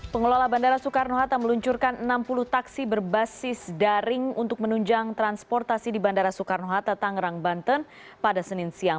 pengelola bandara soekarno hatta meluncurkan enam puluh taksi berbasis daring untuk menunjang transportasi di bandara soekarno hatta tangerang banten pada senin siang